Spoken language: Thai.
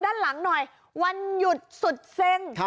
ด้านหลังหน่อยวันหยุดสุดเซ็ง